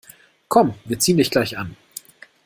Komm, wir ziehen dich gleich an.